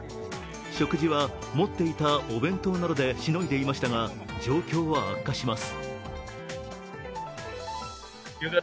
食事は持っていたお弁当などでしのいでいましたが状況は悪化します。